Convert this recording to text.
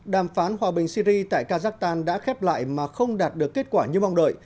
đàm phán hòa bình syri tại kazakhstan đã khép lại mà không đạt được kết quả như mong đợi